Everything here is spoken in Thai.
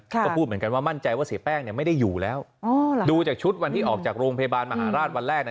ก็พูดเหมือนกันว่ามั่นใจว่าเสียแป้งไม่ได้อยู่แล้วดูจากชุดวันที่ออกจากโรงพยาบาลมหาราชวันแรก